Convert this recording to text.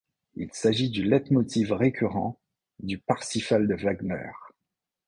Il s'agit du leitmotiv récurrent du Parsifal de Wagner.